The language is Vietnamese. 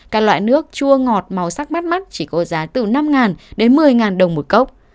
các loại nước chua ngọt màu sắc bắt mắt chỉ có giá từ năm đến một mươi đồng một cốc